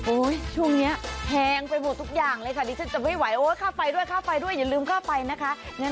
ช่วงนี้แพงไปหมดทุกอย่างเลยค่ะดิฉันจะไม่ไหวโอ๊ยค่าไฟด้วยค่าไฟด้วยอย่าลืมค่าไฟนะคะ